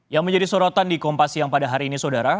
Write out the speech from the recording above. yang menjadi sorotan di kompas siang pada hari ini saudara